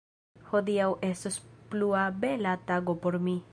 Hodiaŭ estos plua bela tago por mi.